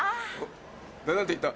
何て言った？